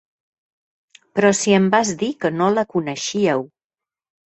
Però si em vas dir que no la coneixíeu.